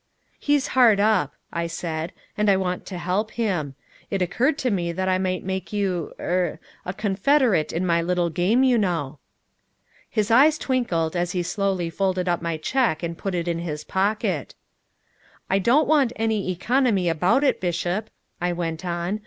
"He's hard up," I said, "and I want to help him. It occurred to me that I might make you er a confederate in my little game, you know." His eyes twinkled as he slowly folded up my check and put it in his pocket. "I don't want any economy about it, Bishop," I went on.